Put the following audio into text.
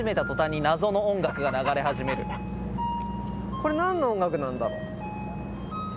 ・これ何の音楽なんだろ？